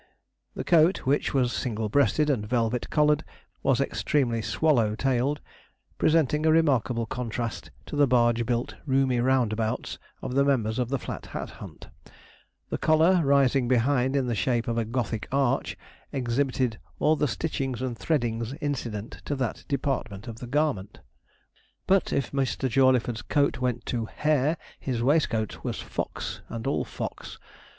The coat, which was single breasted and velvet collared, was extremely swallow tailed, presenting a remarkable contrast to the barge built, roomy roundabouts of the members of the Flat Hat Hunt; the collar rising behind, in the shape of a Gothic arch, exhibited all the stitchings and threadings incident to that department of the garment. But if Mr. Jawleyford's coat went to 'hare,' his waistcoat was fox and all 'fox.'